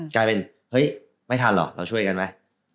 กลายเป็นเฮ้ยไม่ทันหรอกเราช่วยกันไหม